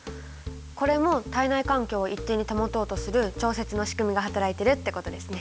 これも体内環境を一定に保とうとする調節の仕組みが働いているってことですね。